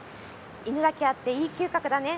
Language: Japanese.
犬だけあっていい嗅覚だね